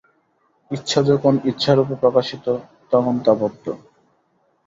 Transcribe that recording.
ইচ্ছা যখন ইচ্ছারূপে প্রকাশিত, তখন তা বদ্ধ।